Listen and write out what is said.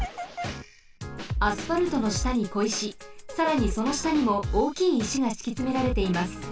アスファルトのしたにこいしさらにそのしたにもおおきいいしがしきつめられています。